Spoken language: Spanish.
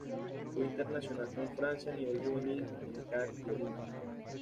Fue internacional con Francia a nivel juvenil, militar y olímpico.